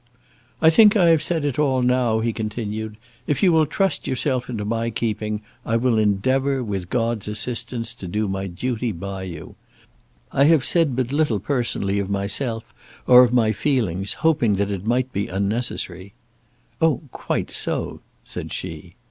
"I think I have said it all now," he continued. "If you will trust yourself into my keeping I will endeavour, with God's assistance, to do my duty by you. I have said but little personally of myself or of my feelings, hoping that it might be unnecessary." "Oh, quite so," said she.